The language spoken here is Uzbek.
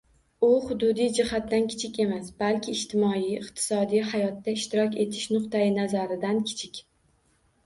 U hududiy jihatdan kichik emas, balki ijtimoiy-iqtisodiy hayotda ishtirok etish nuqtai nazaridan kichik